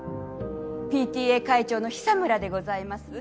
ＰＴＡ会長の久村でございます。